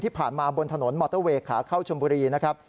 ที่ผ่านมาบนถนนมอเตอร์เวย์ขาเข้าชมบุรีนะครับ